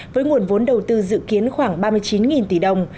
với nguồn vốn đầu tư dự kiến khoảng ba mươi chín tỷ đồng